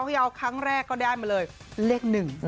ยาวครั้งแรกก็ได้มาเลยเลข๑